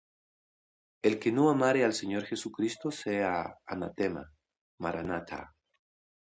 El que no amare al Señor Jesucristo, sea anatema. Maranatha.